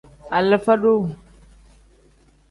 Alifa-duu.